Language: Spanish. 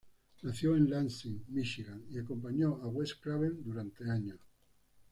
Nació en Lansing, Michigan y acompañó a Wes Craven durante años.